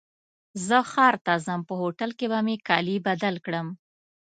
زه ښار ته ځم په هوټل کي به مي کالي بدل کړم.